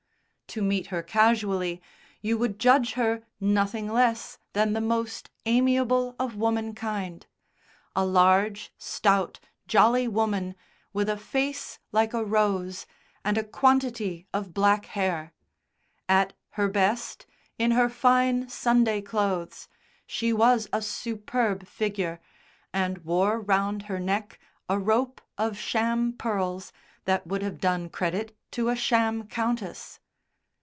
To meet her casually, you would judge her nothing less than the most amiable of womankind a large, stout, jolly woman, with a face like a rose, and a quantity of black hair. At her best, in her fine Sunday clothes, she was a superb figure, and wore round her neck a rope of sham pearls that would have done credit to a sham countess.